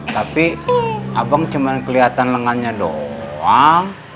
tapi abang cuman kelihatan lengannya doang